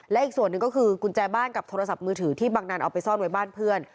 และอีกส่วนหนึ่งก็คือกุญแจบ้านกับโทรศัพท์มือถือที่บังนานเอาไปซ่อนไว้บ้านเพื่อน